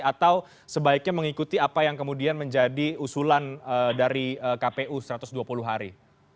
atau sebaiknya mengikuti apa yang kemudian menjadi usulan dari kpu satu ratus dua puluh hari